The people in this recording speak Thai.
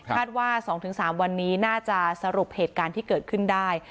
ว่า๒๓วันนี้น่าจะสรุปเหตุการณ์ที่เกิดขึ้นได้